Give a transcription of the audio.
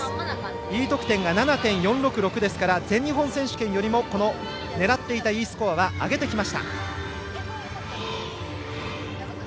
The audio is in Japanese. Ｅ得点が７．４６６ですから全日本選手権よりも狙っていたＥスコアは上げてきました。